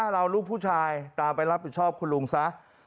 เราลูกผู้ชายตามไปรับผิดชอบคุณลุงซะ